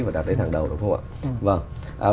và đặt lên hàng đầu đúng không ạ